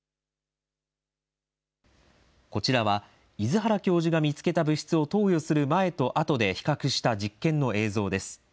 こちらは、出原教授が見つけた物質を投与する前とあとで比較した実験の映像です。